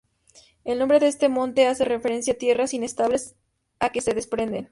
El nombre de este monte hace referencia a tierras inestables, o que se desprenden.